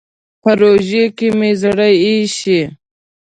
په روژه کې مې زړه اېشي.